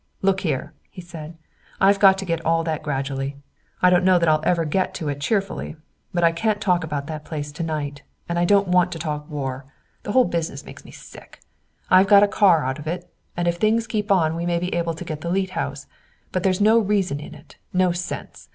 "Look here," he said. "I've got to get to all that gradually. I don't know that I'll ever get to it cheerfully. But I can't talk about that place to night. And I don't want to talk war. The whole business makes me sick. I've got a car out of it, and if things keep on we may be able to get the Leete house. But there's no reason in it, no sense.